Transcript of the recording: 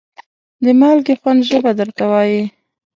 د مالګې خوند ژبه درته وایي.